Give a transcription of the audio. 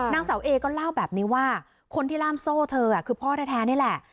นางสาวเอก็เล่าแบบนี้ว่าคนที่ล่ามโซ่เธอคือพ่อแท้นี่แหละ